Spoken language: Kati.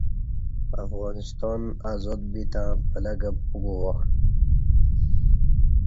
افغانستان آزاد بیتں پلہ کہ پوگوا